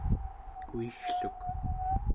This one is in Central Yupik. kuiggluk